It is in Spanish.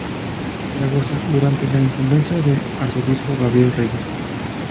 Zaragoza, durante la incumbencia del Arzobispo Gabriel Reyes.